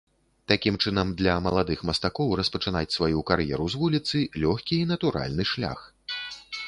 Такім чынам, для маладых мастакоў распачынаць сваю кар'еру з вуліцы лёгкі і натуральны шлях.